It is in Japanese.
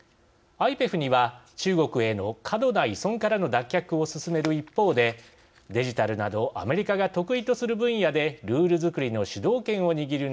ＩＰＥＦには中国への過度な依存からの脱却を進める一方でデジタルなどアメリカが得意とする分野でルールづくりの主導権を握る